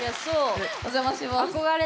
お邪魔します。